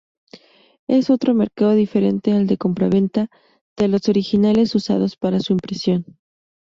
Es otro mercado diferente al de compraventa de los originales usados para su impresión.